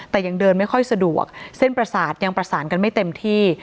แต่ยังเดินไม่ค่อยสะดวกเส้นประสาทยังประสานกันไม่เต็มที่